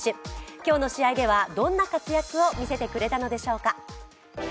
今日の試合では、どんな活躍を見せてくれたのでしょうか。